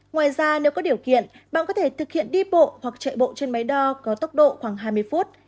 ngoài ra nếu có điều kiện bạn có thể thực hiện đi bộ hoặc chạy bộ trên máy đo có tốc độ khoảng hai mươi phút